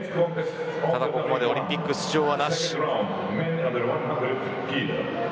ここまでオリンピック出場はなし。